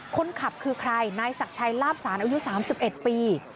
คนขับคือใครนายศักดิ์ชัยลาบสารอายุ๓๑ปี